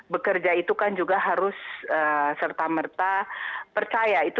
bekerja itu kan juga harus serta merta percaya